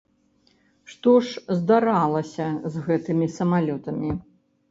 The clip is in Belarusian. Што ж здаралася з гэтымі самалётамі?